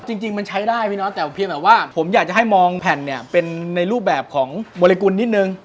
จริงมันใช้ได้พี่น้องแต่เพียงแต่ว่าผมอยากจะให้มองแผ่นเนี่ยเป็นในรูปแบบของบริกุลนิดนึง